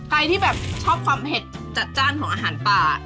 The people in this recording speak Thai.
ใครที่แบบชอบความเผ็ดจัดจ้านของอาหารป่า